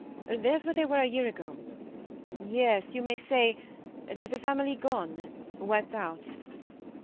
" There's where they were a year ago. ... Yes, you may say: there's a family gone wiped out.